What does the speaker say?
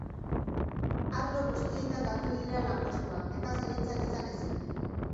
Arlo guztietan galdu dira lanpostuak, nekazaritzan izan ezik.